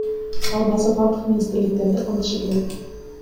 Ал база бардык министрликтерди камтышы керек.